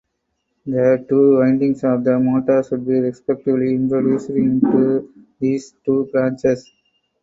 The two windings of the motor should be respectively introduced into these two branches.